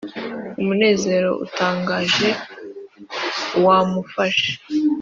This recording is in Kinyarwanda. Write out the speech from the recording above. umunezero utangaje wamufashe.